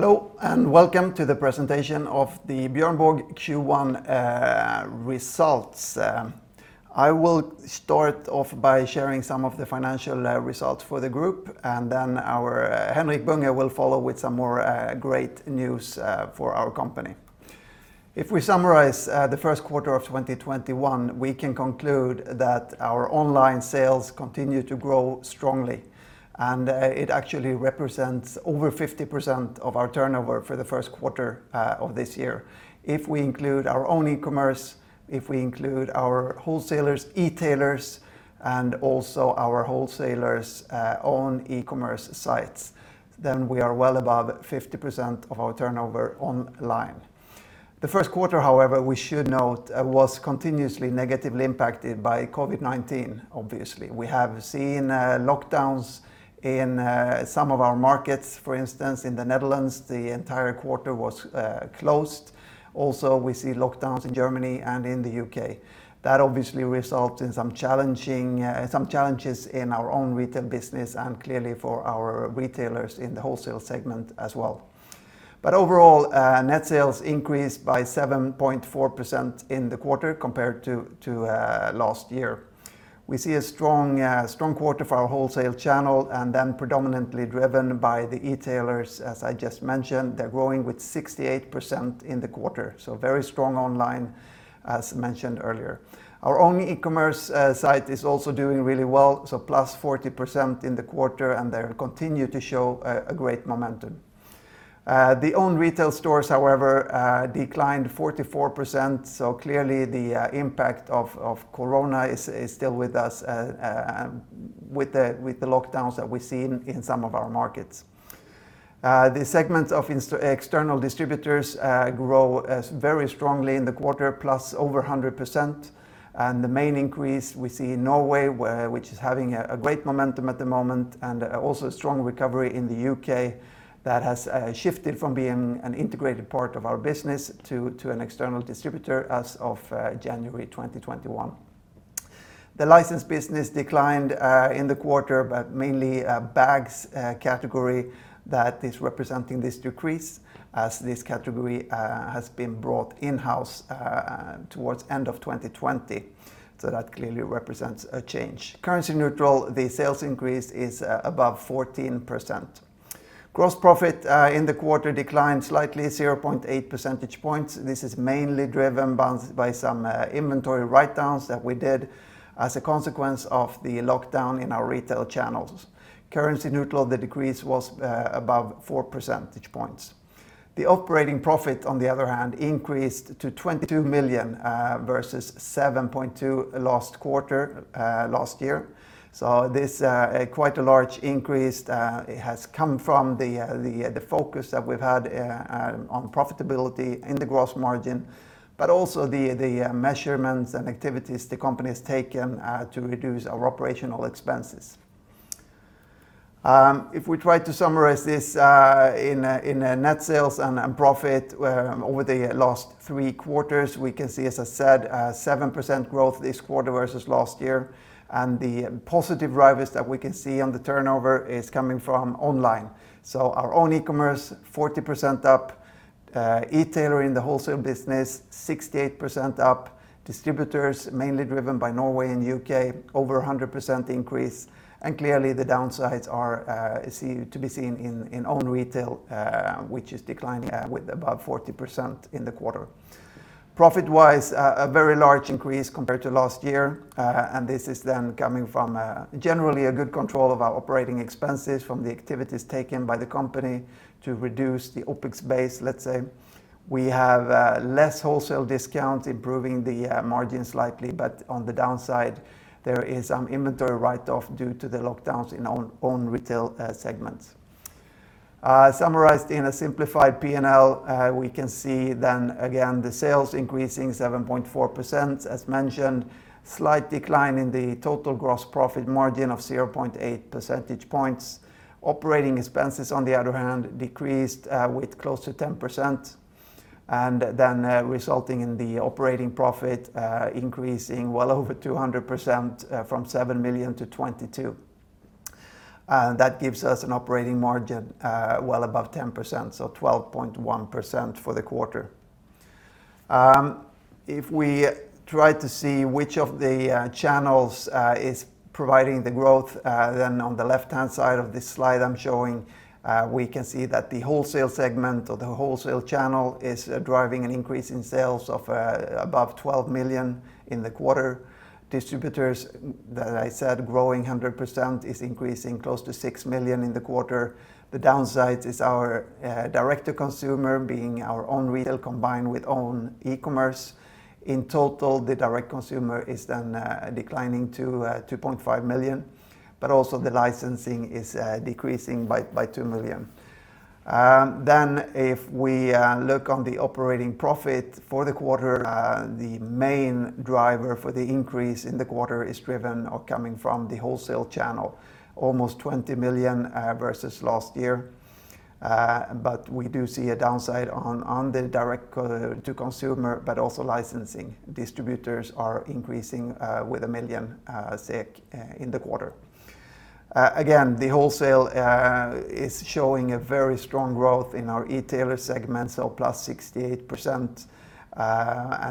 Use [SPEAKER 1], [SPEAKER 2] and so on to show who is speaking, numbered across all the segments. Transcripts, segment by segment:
[SPEAKER 1] Hello, welcome to the presentation of the Björn Borg Q1 results. I will start off by sharing some of the financial results for the group. Henrik Bunge will follow with some more great news for our company. If we summarize the first quarter of 2021, we can conclude that our online sales continue to grow strongly. It actually represents over 50% of our turnover for the first quarter of this year. If we include our own e-commerce, our wholesalers, e-tailers, also our wholesalers' own e-commerce sites, we are well above 50% of our turnover online. The first quarter, however, we should note, was continuously negatively impacted by COVID-19, obviously. We have seen lockdowns in some of our markets. For instance, in the Netherlands, the entire quarter was closed. Also, we see lockdowns in Germany and in the U.K. That obviously results in some challenges in our own retail business and clearly for our retailers in the wholesale segment as well. Overall, net sales increased by 7.4% in the quarter compared to last year. We see a strong quarter for our wholesale channel predominantly driven by the e-tailers, as I just mentioned. They're growing with 68% in the quarter, very strong online, as mentioned earlier. Our own e-commerce site is also doing really well, +40% in the quarter, they continue to show a great momentum. The own retail stores, however, declined 44%, clearly the impact of COVID-19 is still with us with the lockdowns that we've seen in some of our markets. The segment of external distributors grow very strongly in the quarter, plus over 100%, and the main increase we see in Norway, which is having a great momentum at the moment, and also a strong recovery in the U.K. that has shifted from being an integrated part of our business to an external distributor as of January 2021. The licensed business declined in the quarter, mainly Bags category that is representing this decrease as this category has been brought in-house towards end of 2020. That clearly represents a change. Currency neutral, the sales increase is above 14%. Gross profit in the quarter declined slightly 0.8 percentage points. This is mainly driven by some inventory writedowns that we did as a consequence of the lockdown in our retail channels. Currency neutral, the decrease was above four percentage points. The operating profit, on the other hand, increased to 22 million versus 7.2 million last quarter last year. This is quite a large increase. It has come from the focus that we've had on profitability in the gross margin, but also the measurements and activities the company's taken to reduce our operational expenses. If we try to summarize this in net sales and profit over the last three quarters, we can see, as I said, 7% growth this quarter versus last year. The positive drivers that we can see on the turnover is coming from online. Our own e-commerce, 40% up, e-tailer in the wholesale business, 68% up, distributors, mainly driven by Norway and U.K., over 100% increase. Clearly the downsides are to be seen in own retail, which is declining with about 40% in the quarter. Profit-wise, a very large increase compared to last year. This is coming from generally a good control of our operating expenses from the activities taken by the company to reduce the OpEx base, let's say. We have less wholesale discounts, improving the margins slightly, but on the downside, there is some inventory write-off due to the lockdowns in our own retail segments. Summarized in a simplified P&L, we can see again, the sales increasing 7.4%, as mentioned, slight decline in the total gross profit margin of 0.8 percentage points. Operating expenses, on the other hand, decreased with close to 10%, resulting in the operating profit increasing well over 200% from 7 million-22 million. That gives us an operating margin well above 10%, so 12.1% for the quarter. If we try to see which of the channels is providing the growth, on the left-hand side of this slide I'm showing, we can see that the wholesale segment or the wholesale channel is driving an increase in sales of above 12 million in the quarter. Distributors, as I said, growing 100%, is increasing close to 6 million in the quarter. The downside is our direct-to-consumer being our own retail combined with own e-commerce. In total, the direct consumer is then declining to 2.5 million, but also the licensing is decreasing by 2 million. If we look on the operating profit for the quarter, the main driver for the increase in the quarter is driven or coming from the wholesale channel, almost 20 million versus last year. We do see a downside on the direct-to-consumer, but also licensing. Distributors are increasing with a 1 million SEK in the quarter. The wholesale is showing a very strong growth in our e-tailer segment, so +68%.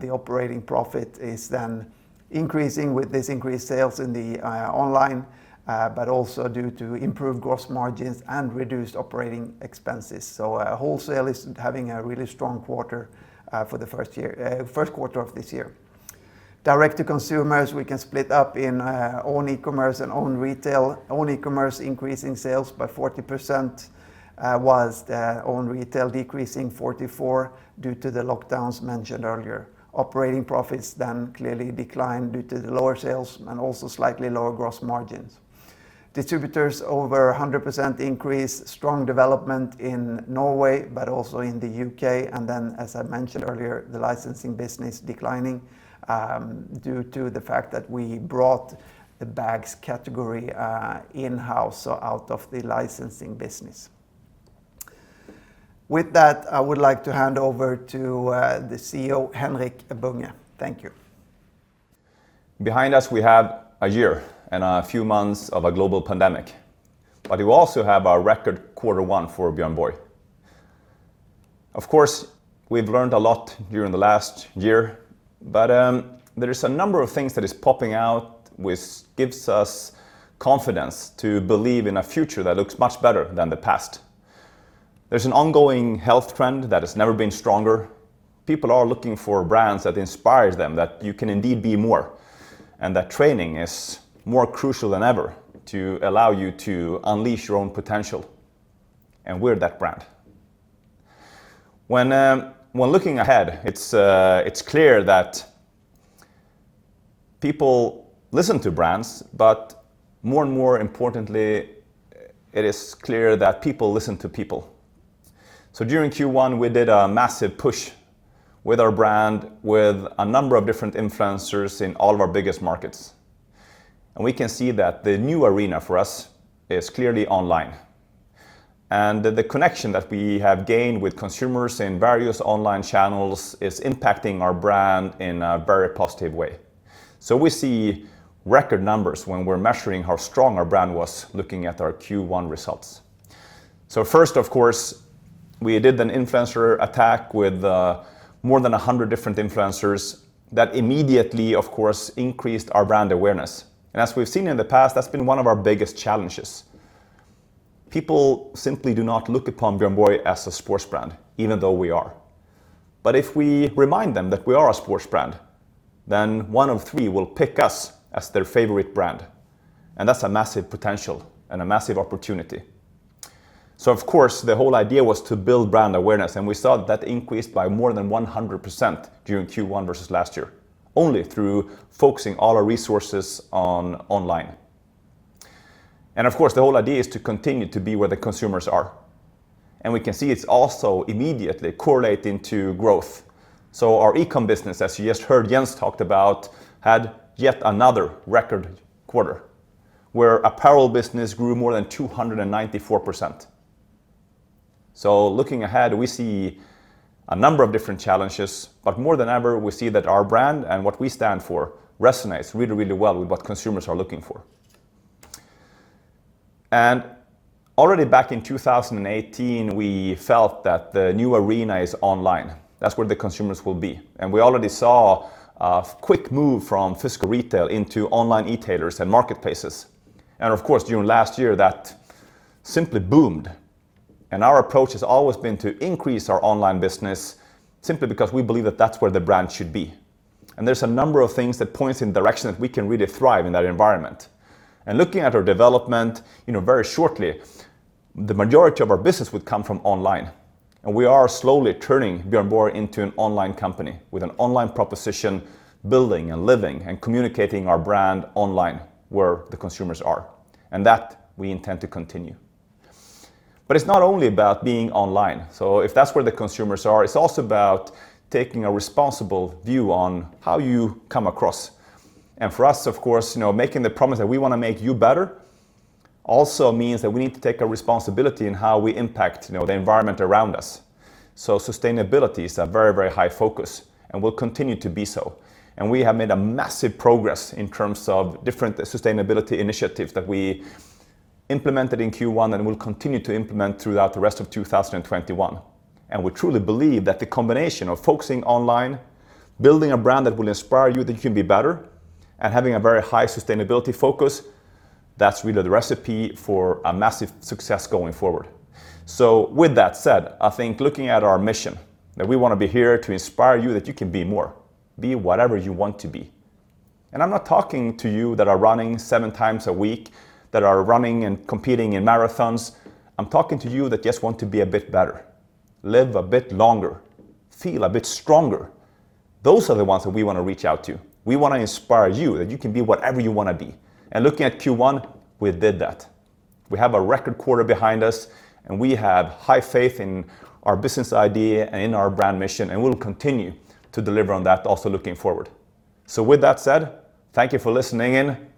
[SPEAKER 1] The operating profit is then increasing with this increased sales in the online, but also due to improved gross margins and reduced operating expenses. Wholesale is having a really strong quarter for the first quarter of this year. Direct-to-consumer, we can split up in own e-commerce and own retail. Own e-commerce increase in sales by 40%, whilst the own retail decreasing 44% due to the lockdowns mentioned earlier. Operating profits then clearly declined due to the lower sales and also slightly lower gross margins. Distributors over 100% increase, strong development in Norway, but also in the U.K. As I mentioned earlier, the licensing business declining due to the fact that we brought the Bags category in-house, so out of the licensing business. I would like to hand over to the CEO, Henrik Bunge. Thank you.
[SPEAKER 2] Behind us, we have a year and a few months of a global pandemic, but we also have a record quarter one for Björn Borg. Of course, we've learned a lot during the last year, but there's a number of things that is popping out which gives us confidence to believe in a future that looks much better than the past. There's an ongoing health trend that has never been stronger. People are looking for brands that inspires them, that you can indeed be more, and that training is more crucial than ever to allow you to unleash your own potential, and we're that brand. When looking ahead, it's clear that people listen to brands, but more and more importantly, it is clear that people listen to people. During Q1, we did a massive push with our brand with a number of different influencers in all of our biggest markets. We can see that the new arena for us is clearly online, and that the connection that we have gained with consumers in various online channels is impacting our brand in a very positive way. We see record numbers when we're measuring how strong our brand was looking at our Q1 results. First, of course, we did an influencer attack with more than 100 different influencers that immediately, of course, increased our brand awareness. As we've seen in the past, that's been one of our biggest challenges. People simply do not look upon Björn Borg as a sports brand, even though we are. If we remind them that we are a sports brand, then one of three will pick us as their favorite brand, and that's a massive potential and a massive opportunity. Of course, the whole idea was to build brand awareness, and we saw that increase by more than 100% during Q1 versus last year, only through focusing all our resources on online. Of course, the whole idea is to continue to be where the consumers are, and we can see it's also immediately correlating to growth. Our eCom business, as you just heard Jens talk about, had yet another record quarter where apparel business grew more than 294%. Looking ahead, we see a number of different challenges, but more than ever, we see that our brand and what we stand for resonates really well with what consumers are looking for. Already back in 2018, we felt that the new arena is online. That's where the consumers will be. We already saw a quick move from physical retail into online e-tailers and marketplaces. Of course, during last year, that simply boomed. Our approach has always been to increase our online business simply because we believe that that's where the brand should be. There's a number of things that points in directions we can really thrive in that environment. Looking at our development, very shortly, the majority of our business will come from online. We are slowly turning Björn Borg into an online company with an online proposition, building and living and communicating our brand online where the consumers are, and that we intend to continue. It's not only about being online. If that's where the consumers are, it's also about taking a responsible view on how you come across. For us, of course, making the promise that we want to make you better also means that we need to take a responsibility in how we impact the environment around us. Sustainability is a very high focus and will continue to be so. We have made a massive progress in terms of different sustainability initiatives that we implemented in Q1 and will continue to implement throughout the rest of 2021. We truly believe that the combination of focusing online, building a brand that will inspire you that you can be better, and having a very high sustainability focus, that's really the recipe for a massive success going forward. With that said, I think looking at our mission, that we want to be here to inspire you that you can be more, be whatever you want to be. I'm not talking to you that are running seven times a week, that are running and competing in marathons. I'm talking to you that just want to be a bit better, live a bit longer, feel a bit stronger. Those are the ones that we want to reach out to. We want to inspire you that you can be whatever you want to be. Looking at Q1, we did that. We have a record quarter behind us, and we have high faith in our business idea and in our brand mission, and we'll continue to deliver on that also looking forward. With that said, thank you for listening in.